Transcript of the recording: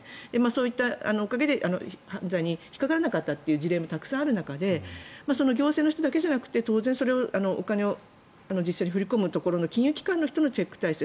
そういったおかげで犯罪に引っかからなかったという事例もたくさんある中で行政の人だけじゃなくてお金を実際に振り込む金融機関の人のチェック体制